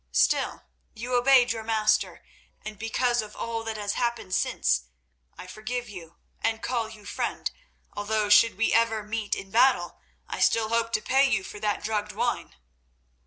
Still, you obeyed your master, and because of all that has happened since, I forgive you, and call you friend, although should we ever meet in battle I still hope to pay you for that drugged wine."